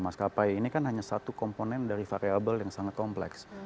maskapai ini kan hanya satu komponen dari variable yang sangat kompleks